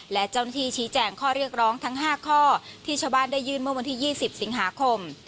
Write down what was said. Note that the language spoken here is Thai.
และเจ้าหน้าที่ชี้แจงข้อเรียกร้องทั้ง๕ข้อที่ชาวบ้านได้ยื่นเมื่อวันที่๒๐สิงหาคม